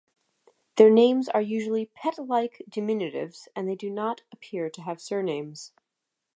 Their names are usually pet-like diminutives, and they do not appear to have surnames.